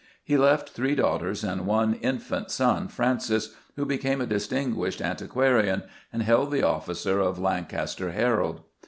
He left three daughters and one infant son, Francis, who became a distinguished antiquarian, and held the office of Lancaster Herald.